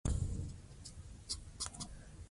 د حکومت کار باید عادلانه وي.